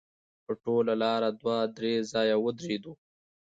په ټوله لاره دوه درې ځایه ودرېدو.